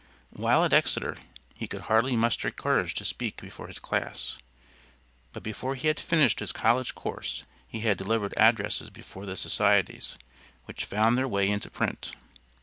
While at Exeter he could hardly muster courage to speak before his class, but before he had finished his college course he had delivered addresses before the societies, which found their way into print.